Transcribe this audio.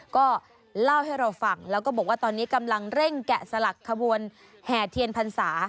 ก็เล่าให้เราฟังแล้วก็บอกว่าตอนนี้กำลังเร่งแกะสลักขบวนแห่เทียนพรรษา